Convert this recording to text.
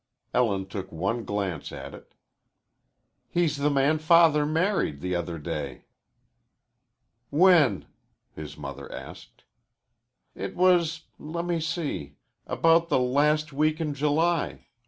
Ellen took one glance at it. "He's the man Father married the other day." "When?" the mother asked. "It was let me see about the last week in July.